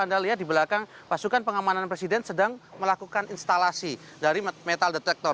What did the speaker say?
anda lihat di belakang pasukan pengamanan presiden sedang melakukan instalasi dari metal detektor